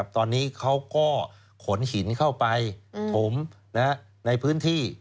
ตอนนี้เขาก็ขนหินเข้าไปถมในพื้นที่